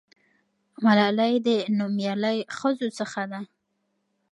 ملالۍ د نومیالۍ ښځو څخه ده.